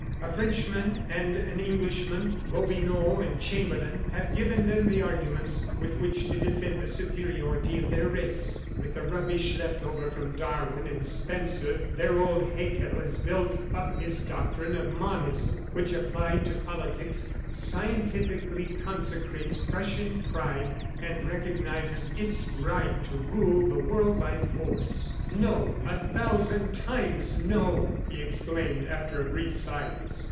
A Frenchman and an Englishman, Gobineau and Chamberlain, have given them the arguments with which to defend the superiority of their race. With the rubbish left over from Darwin and Spencer, their old Haeckel has built up his doctrine of 'Monism' which, applied to politics, scientifically consecrates Prussian pride and recognizes its right to rule the world by force." "No, a thousand times no!" he exclaimed after a brief silence.